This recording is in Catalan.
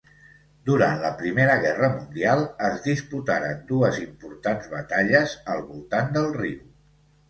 Durant la Primera Guerra Mundial es disputaren dues importants batalles al voltant del riu.